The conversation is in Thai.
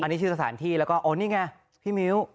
อันนี้ชื่อสถานที่แล้วก็โอ้นี่ไงพี่มิ้ว